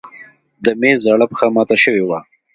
د مېز زاړه پښه مات شوې وه.